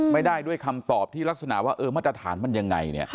ไม่ได้ด้วยคำตอบที่ลักษณะว่ามัตตาฐานมันยังไง